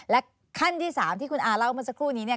และขั้นที่๓ที่คุณอาเล่าเมื่อสักครู่นี้เนี่ย